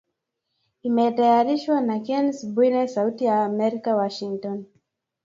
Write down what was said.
Imetayarishwa na Kennes Bwire sauti ya Amerika Washington